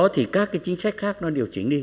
sau đó thì các cái chính sách khác nó điều chỉnh đi